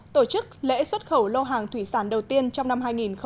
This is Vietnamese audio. tổ chức lễ xuất khẩu lô hàng thủy sản đầu tiên trong năm hai nghìn một mươi chín